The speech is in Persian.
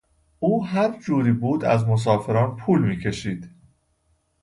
او هر جوری بود از مسافران پول میکشید.